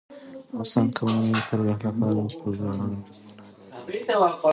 افغانستان د قومونه د ترویج لپاره پروګرامونه لري.